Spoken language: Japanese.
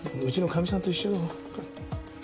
うちのかみさんと一緒だ。